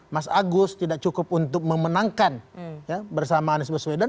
mas agus tidak cukup untuk memenangkan bersama anies baswedan